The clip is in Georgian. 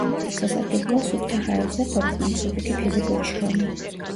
სასარგებლოა სუფთა ჰაერზე ყოფნა, მსუბუქი ფიზიკური შრომა.